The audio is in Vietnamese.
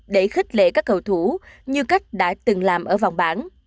để khích lệ các cầu thủ như cách đã từng làm ở vòng bản